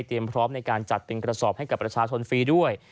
พร้อมในการจัดเป็นกระสอบให้กับประชาชนฟรีด้วย